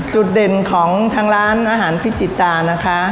จุดเด่นของทางร้านอาหารพิจิตานะคะ